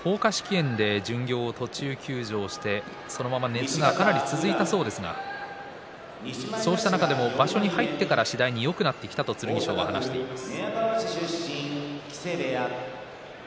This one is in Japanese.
炎で巡業を途中休場してそのまま熱がかなり続いたそうですがそうした中でも場所に入ってから次第によくなってきたと剣翔は話しています。